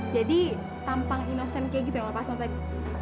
jadi tampang inosen kayak gitu yang lepas mata itu